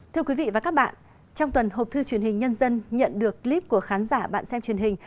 thưa quý vị và các bạn trong tuần hộp thư truyền hình nhân dân nhận được clip của khán giả bạn xem truyền hình